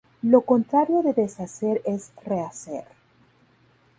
Lo contrario de deshacer es rehacer.